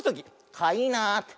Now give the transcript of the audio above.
かいなって。